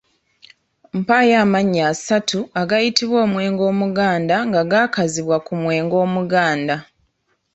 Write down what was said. Mpaayo amannya asatu agayitibwa omwenge Omuganda nga gaakazibwa ku mwenge Omuganda.